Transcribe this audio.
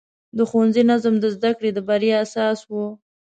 د ښوونځي نظم د زده کړې د بریا اساس و.